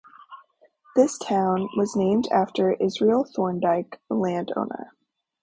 The town was named after Israel Thorndike, a landowner.